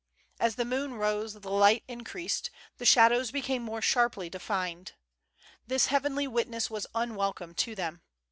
As the moon rose the light increased, the shadows became more sharply defined. This heavenly witness was unwelcome to them.